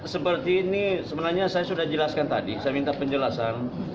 seperti ini sebenarnya saya sudah jelaskan tadi saya minta penjelasan